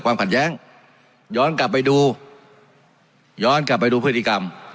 ขัดแย้งย้อนกลับไปดูย้อนกลับไปดูพฤติกรรม